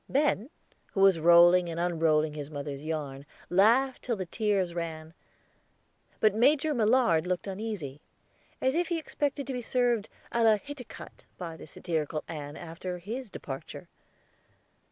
Ben, who was rolling and unrolling his mother's yarn, laughed till the tears ran, but Major Millard looked uneasy, as if he expected to be served à la Hiticutt by the satirical Ann after his departure.